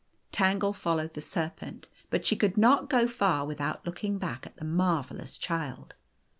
Tangle followed the serpent. But she could not go far without looking back at the marvellous Child.